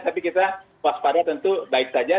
tapi kita waspada tentu baik saja